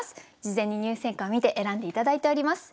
事前に入選歌を見て選んで頂いております。